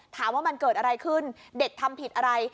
ถามว่ามันเกิดอะไรขึ้นเด็กทำผิดอะไร